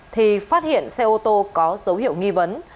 thì phát hiện xe ô tô có dấu hiệu nghi vấn